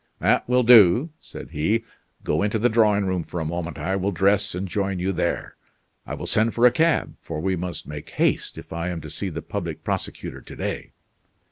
"That will do," said he, "go into the drawing room for a moment. I will dress and join you there. I will send for a cab: for we must make haste if I am to see the public prosecutor to day."